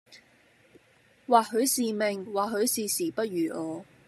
或許是命、或許是時不與我。